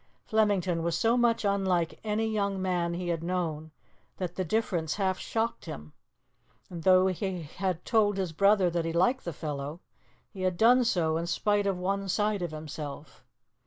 Flemington was so much unlike any young man he had known that the difference half shocked him, and though he had told his brother that he liked the fellow, he had done so in spite of one side of himself.